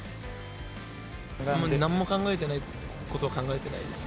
なんも考えてないことは考えてないです。